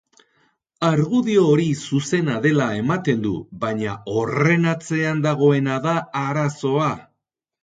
Argudio hori zuzena dela ematen du, baina horren atzean dagoena da arazoa.